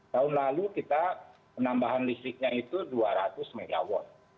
tahun lalu kita penambahan listriknya itu dua ratus mw